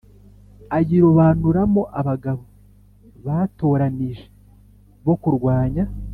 Ayirobanuramo abagabo batoranije bo kurwanya